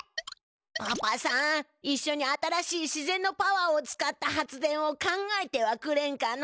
パパさんいっしょに新しい自ぜんのパワーを使った発電を考えてはくれんかの？